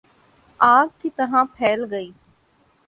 آگ کی طرح پھیل گئی